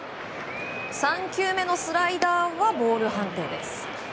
３球目のスライダーはボール判定です。